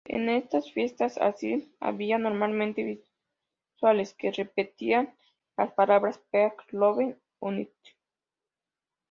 En estas fiestas acid había normalmente visuales que repetían las palabras "Peace, Love, Unity".